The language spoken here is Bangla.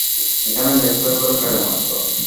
এখানে লেকচার করে বেড়াই মাত্র।